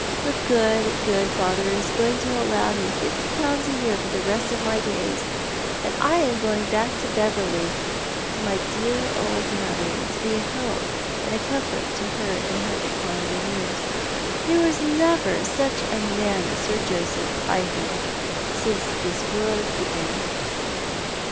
Your good, good father is going to allow me fifty pounds a year for the rest of my days, and I am going back to Beverley, to my dear old mother, to be a help and a comfort to her in her declining years. There never was such a man as Sir Josej^h, I think, since this world began."